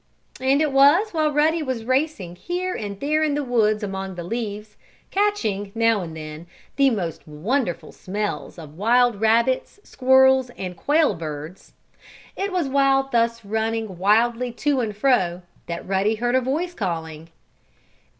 And it was while Ruddy was racing here and there in the woods among the leaves, catching, now and then, the most wonderful smells of wild rabbits, squirrels and quail birds it was while thus running wildly to and fro, that Ruddy heard a voice calling.